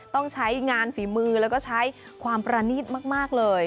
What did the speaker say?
ต้องใช้งานฝีมือแล้วก็ใช้ความประณีตมากเลย